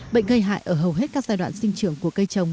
bệnh gây hại ở hầu hết các giai đoạn sinh trưởng của cây trồng